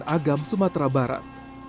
agam sumatera barat